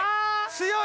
強い！